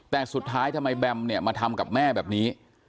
แต่สุดท้ายทำไมแบมเนี่ยมาทำกับแม่แบบนี้